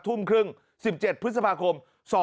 ทุ่มครึ่ง๑๗พฤษภาคม๒๕๖